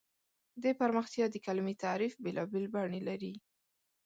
د پرمختیا د کلیمې تعریف بېلابېل بڼې لري.